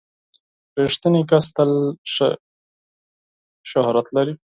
• رښتینی کس تل ښه شهرت لري.